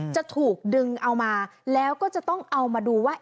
จะถูกดึงเอามาแล้วก็จะต้องเอามาดูว่า